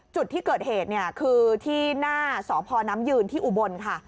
จุดที่เกิดเหตุเนี่ยคือที่หน้าสพน้ำยืนที่อุบลค่ะ